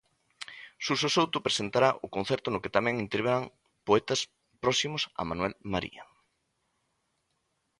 Xurxo Souto presentará o concerto no que tamén intervirán poetas próximos a Manuel María.